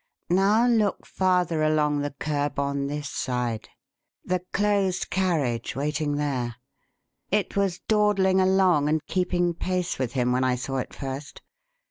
Now look farther along the kerb on this side. The closed carriage waiting there. It was dawdling along and keeping pace with him when I saw it first.